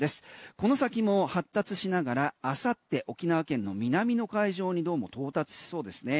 この先も発達しながら明後日沖縄県の南の海上にどうも到達しそうですね。